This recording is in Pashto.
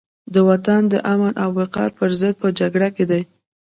د وطن د امن او وقار پرضد په جګړه کې دي.